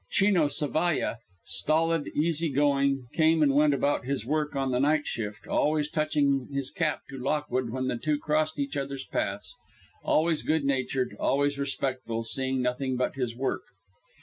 Chino Zavalla, stolid, easy going, came and went about his work on the night shift, always touching his cap to Lockwood when the two crossed each other's paths, always good natured, always respectful, seeing nothing but his work.